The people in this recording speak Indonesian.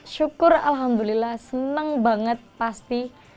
syukur alhamdulillah senang banget pasti